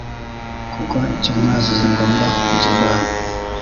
kuko icyo mwazize ngomba kukirwanya.